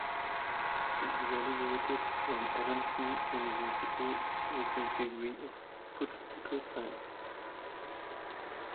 He graduated from Adamson University with the degree of Political Science.